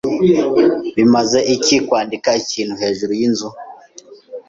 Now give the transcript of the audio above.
Bimaze iki kwandika ikintu hejuru yinzu?